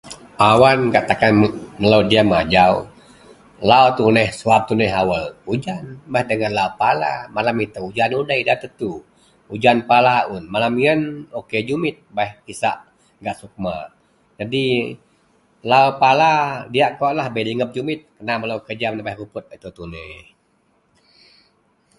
Awan gak takan melo diem ajau lau tuneh, suwab awal ujan beh dagen lau pala malem ito ujan udei nda tentu ujan pala un. Malem iyen okay jumit beh pisak gak sukma. Jadi lau pala diyak kawaklah jumit bei lingab kena melo menebaih ruput suwab tuneh.